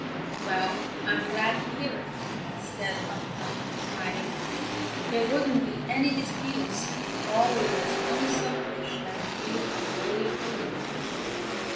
"Well, I'm glad to hear it," said Bumper, smiling. "There wouldn't be any disputes if all were as unselfish as you and Rolly Polly."